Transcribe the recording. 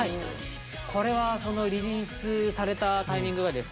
これはそのリリースされたタイミングがですね